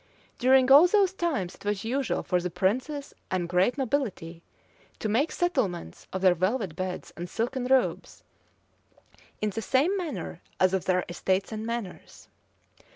During all those times it was usual for the princes and great nobility to make settlements of their velvet beds and silken robes, in the same manner as of their estates and manors.